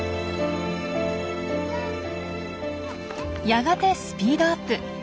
やがてスピードアップ。